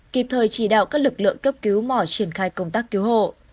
kịp thời chỉ đạo các lực lượng cấp cứu mỏ triển khai công tác cứu hộ